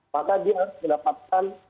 maka dia mendapatkan